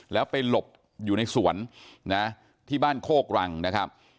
แล้วไปหลบอยู่ในสวนนะที่บ้านโคกรังนะครับ